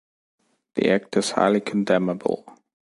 The act is highly condemnable.